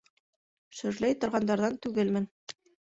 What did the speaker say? Шөрләй торғандарҙан түгелмен.